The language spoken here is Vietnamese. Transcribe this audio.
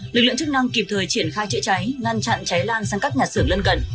lực lượng chức năng kịp thời triển khai chữa cháy ngăn chặn cháy lan sang các nhà xưởng lân cận